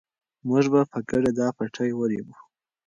موږ به په ګډه دا پټی ورېبو.